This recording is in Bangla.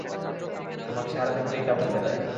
তোমার চেহারা দেখলেই তা বোঝা যায়।